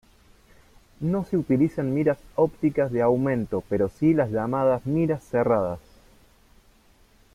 No se utilizan miras ópticas de aumento pero sí las llamadas miras cerradas.